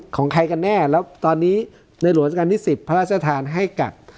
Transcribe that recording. ของใครกันแน่แล้วตอนนี้ในหลวงราชการที่๑๐พระราชทานให้กัก